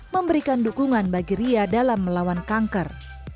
memberikan dukungan bagi ria dalam melawan kanker